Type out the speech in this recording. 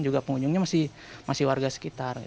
juga pengunjungnya masih warga sekitar